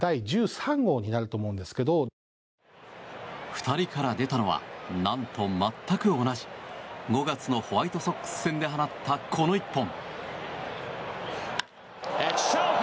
２人から出たのは何と全く同じ５月のホワイトソックス戦で放ったこの１本。